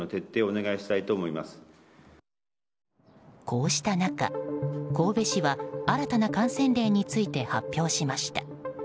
こうした中、神戸市は新たな感染例について発表しました。